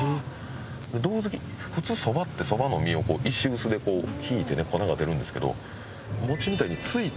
どうづき普通そばってそばの実をこう石臼でひいてね粉が出るんですけどお餅みたいについて。